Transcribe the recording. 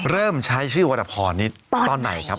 เริ่มใช้ชื่อวรพรนี้ตอนไหนครับ